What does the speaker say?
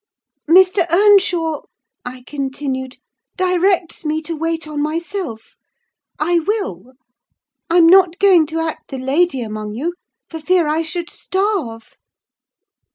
"Mr. Earnshaw," I continued, "directs me to wait on myself: I will. I'm not going to act the lady among you, for fear I should starve."